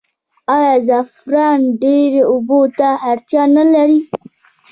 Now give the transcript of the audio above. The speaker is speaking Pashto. آیا زعفران ډیرې اوبو ته اړتیا لري؟